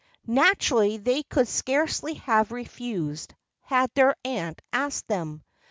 Naturally they could scarcely have refused, had their aunt asked them.